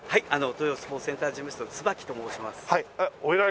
東洋スポーツセンター事務室の椿と申します。